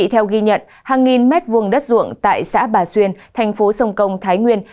theo ghi nhận hàng nghìn mét vuông đất ruộng tại xã bà xuyên thành phố sông công thái nguyên